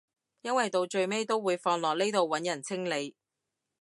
因為到最尾都會放落呢度揾人清理